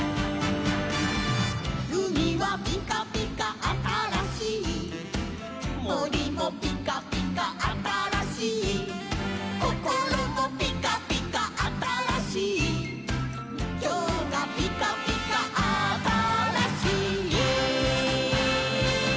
「うみはぴかぴかあたらしい」「もりもぴかぴかあたらしい」「こころもぴかぴかあたらしい」「きょうがぴかぴかあたらしい」